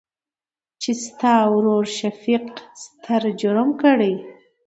چې ستا ورورشفيق ستر جرم کړى.